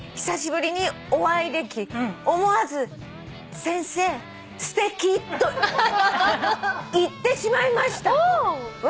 久しぶりにお会いでき思わず『先生すてき』と言ってしまいました」